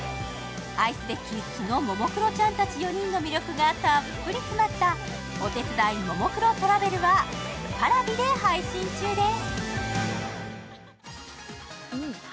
愛すべき素のももクロちゃんたち４人の魅力がたっぷり詰まった「お手伝いももクロトラベル」はＰａｒａｖｉ配信中です。